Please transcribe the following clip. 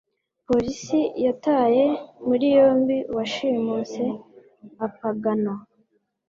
Polisi yataye muri yombi uwashimuse (APagano)